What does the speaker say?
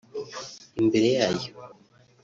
imbere yayo